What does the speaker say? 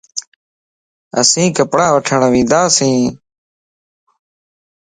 اسين ڪپڙا وٺڻ ونداسين